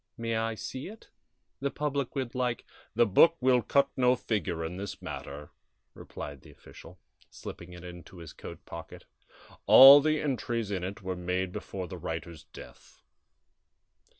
May I see it? The public would like " "The book will cut no figure in this matter," replied the official, slipping it into his coat pocket; "all the entries in it were made before the writer's death."